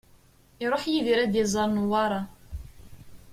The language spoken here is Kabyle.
Iruḥ Yidir ad d-iẓer Newwara.